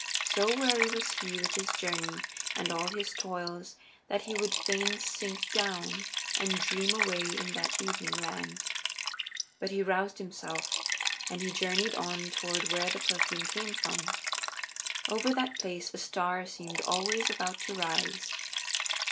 So weary was he with his journey and all his toils that he would fain sink down and dream away in that evening land. But he roused himself, and he journeyed on toward where the perfume came from. Over that place a star seemed always about to rise.